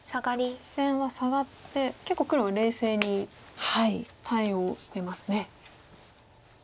実戦はサガって結構黒冷静に対応してますね。